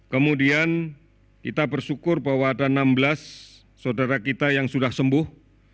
kemudian kita bersyukur bahwa ada enam belas saudara kita yang sudah sembuh